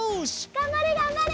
がんばれがんばれ！